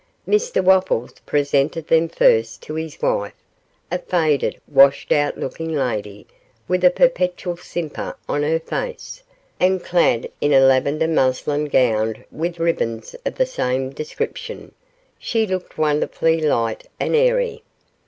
Mr Wopples presented them first to his wife, a faded, washed out looking lady, with a perpetual simper on her face, and clad in a lavender muslin gown with ribbons of the same description, she looked wonderfully light and airy.